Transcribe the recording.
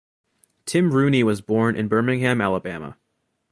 Tim Rooney was born in Birmingham, Alabama.